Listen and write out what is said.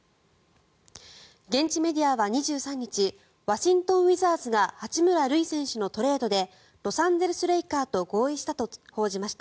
現地メディアは２３日ワシントン・ウィザーズが八村塁選手のトレードでロサンゼルス・レイカーズと合意したと報じました。